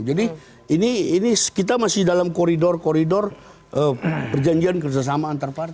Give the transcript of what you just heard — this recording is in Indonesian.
jadi ini ini kita masih dalam koridor koridor perjanjian kerjasama antar partai